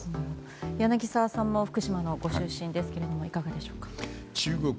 柳澤さんも福島のご出身ですがいかがですか。